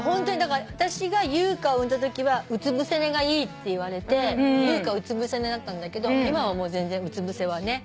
私が優香を産んだときはうつぶせ寝がいいっていわれて優香うつぶせ寝だったんだけど今はもう全然うつぶせはね。